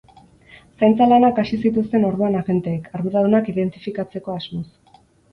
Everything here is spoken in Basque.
Zaintza lanak hasi zituzten orduan agenteek, arduradunak identifikatzeko asmoz.